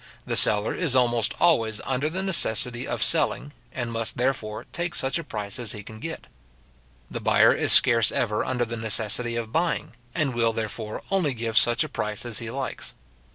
The seller is almost always under the necessity of selling, and must, therefore, take such a price as he can get. The buyer is scarce ever under the necessity of buying, and will, therefore, only give such a price as he likes.